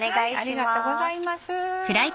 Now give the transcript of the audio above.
ありがとうございます。